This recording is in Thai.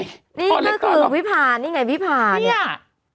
นี่คือคือพี่ภานี่ไงพี่ภาเนี่ยเนี่ย